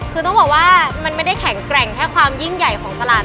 คือต้องบอกว่ามันไม่ได้แข็งแกร่งแค่ความยิ่งใหญ่ของตลาด